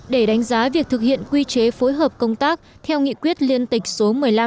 để đánh giá việc thực hiện quy chế phối hợp công tác theo nghị quyết liên tịch số một mươi năm